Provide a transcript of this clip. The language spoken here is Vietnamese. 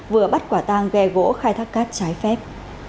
vừa bắt quả tang ghe gỗ khai thác cát trái phép